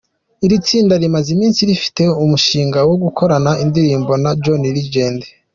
Iri tsinda rimaze iminsi rifite umushinga wo gukorana indirimbo na John Legend.